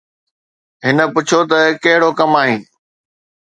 هن پڇيو ته ڪهڙو ڪم آهين؟